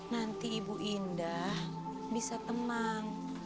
nanti ibu indah bisa tenang